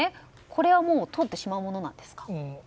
これはもう通ってしまうものなんですか。